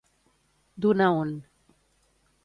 D'un a un.